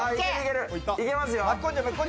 いけますよ。